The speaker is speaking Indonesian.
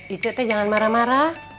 ije teh jangan marah marah